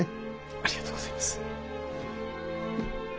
ありがとうございます。